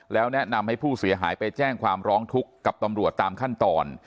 แล้วแนะนำให้ผู้เสียหายไปแจ้งความร้องทุกข์กับตำรวจตามขั้นตอน